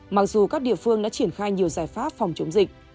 mặc dù các địa phương đã triển khai nhiều giải pháp phòng chống dịch